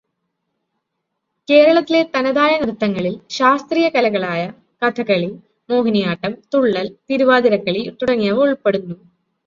കേരളത്തിലെ തനതായ നൃത്തങ്ങളിൽ ശാസ്ത്രീയകലകളായ കഥകളി, മോഹിനിയാട്ടം, തുള്ളൽ, തിരുവാതിരക്കളി തുടങ്ങിയവ ഉൾപ്പെടുന്നു.